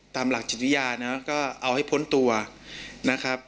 ตามหลักจิตวิทยานะก็เอาให้พ้นตัวนะครับ